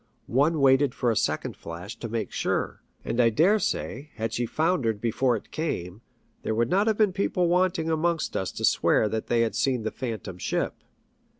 One waited for a second flash to make sure ; and I dare say, had she foundered before it came, there would not have been wanting people amongst us to swear that they had seen the Phantom Ship.